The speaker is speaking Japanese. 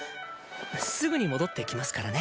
すぐに戻ってきますからね。